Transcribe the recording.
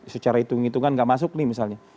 secara hitung hitungan nggak masuk nih misalnya